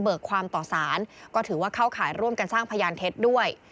ความต่อสารก็ถือว่าเข้าข่ายร่วมกันสร้างพยานเท็จด้วย